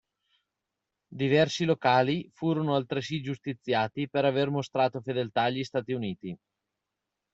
Diversi locali furono altresì giustiziati per aver mostrato fedeltà agli Stati Uniti.